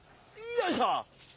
よいしょ。